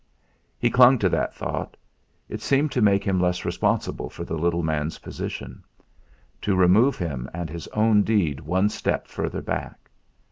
He clung to that thought; it seemed to make him less responsible for the little man's position; to remove him and his own deed one step further back.